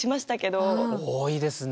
多いですね。